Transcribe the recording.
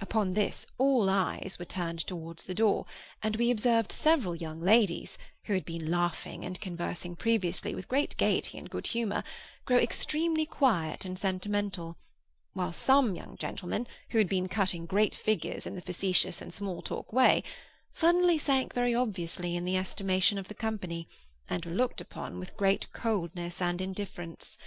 Upon this, all eyes were turned towards the door, and we observed several young ladies, who had been laughing and conversing previously with great gaiety and good humour, grow extremely quiet and sentimental; while some young gentlemen, who had been cutting great figures in the facetious and small talk way, suddenly sank very obviously in the estimation of the company, and were looked upon with great coldness and indifference.